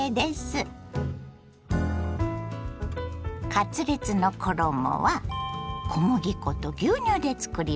カツレツの衣は小麦粉と牛乳でつくります。